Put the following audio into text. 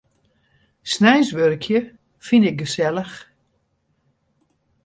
Sneins wurkje fyn ik gesellich.